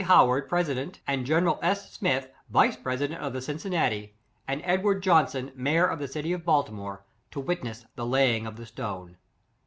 Howard, president andge neral S. Smith, vice president of the Cin cinnati, and Edward Johnson, mayor of the city of Baltimore, to witness the lay ing of the stone.